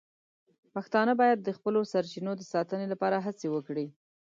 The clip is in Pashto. پښتانه باید د خپلو سرچینو د ساتنې لپاره هڅې وکړي.